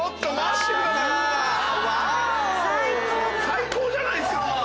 最高じゃないですか！